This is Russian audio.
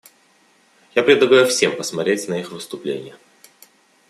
Я предлагаю всем посмотреть на их выступление.